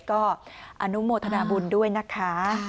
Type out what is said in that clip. ก็อนุโมทนาบุญด้วยนะคะ